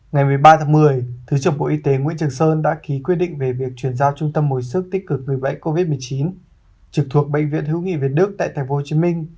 ngày một mươi ba tháng một mươi thứ trưởng bộ y tế nguyễn trường sơn đã ký quyết định về việc chuyển giao trung tâm hồi sức tích cực người bệnh covid một mươi chín trực thuộc bệnh viện hữu nghị việt đức tại tp hcm